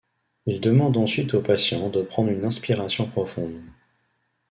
Il demande ensuite au patient de prendre une inspiration profonde.